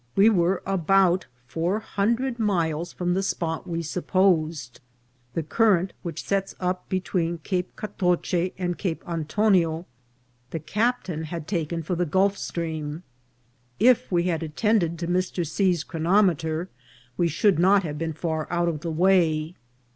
We were about four hundred miles from the spot we supposed. The current which sets up between Cape Catoche and Cape Antonio the captain had taken for the Gulf Stream. If we had attended to Mr. C.'s chronometer we should not have been far out of the way.